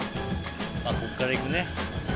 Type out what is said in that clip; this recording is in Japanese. こっからいくね。